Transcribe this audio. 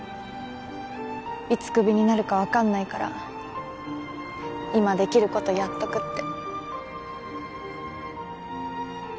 いつクビになるかわかんないから今できることやっとくって。